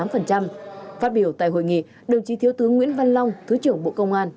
phát biểu tại hội nghị đồng chí thiếu tướng nguyễn văn long thứ trưởng bộ công an